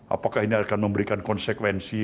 apakah ini akan memberikan konsekuensi